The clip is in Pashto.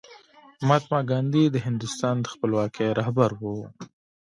مهاتما ګاندي د هندوستان د خپلواکۍ رهبر و.